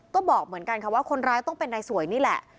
ก็บอกเหมือนกันค่ะว่าคนร้ายต้องเป็นนายสวยนี่แหละ